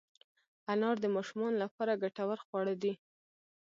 انار د ماشومانو لپاره ګټور خواړه دي.